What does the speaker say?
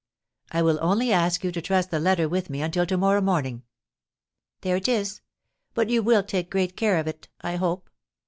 "I will only ask you to trust the letter with me until to morrow morning." "There it is; but you will take great care of it, I hope.